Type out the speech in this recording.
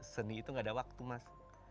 seni itu gak ada waktu mas